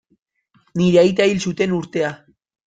Nire aita hil zuten urtea.